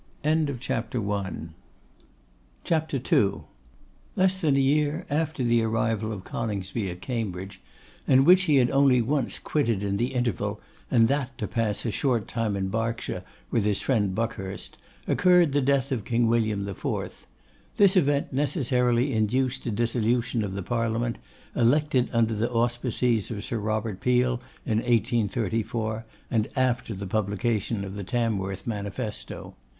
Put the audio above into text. CHAPTER II. Less than a year after the arrival of Coningsby at Cambridge, and which he had only once quitted in the interval, and that to pass a short time in Berkshire with his friend Buckhurst, occurred the death of King William IV. This event necessarily induced a dissolution of the Parliament, elected under the auspices of Sir Robert Peel in 1834, and after the publication of the Tamworth Manifesto.